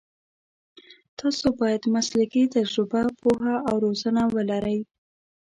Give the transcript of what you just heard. تاسو باید مسلکي تجربه، پوهه او روزنه ولرئ.